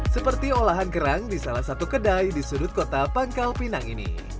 seperti olahan kerang di salah satu kedai di sudut kota pangkal pinang ini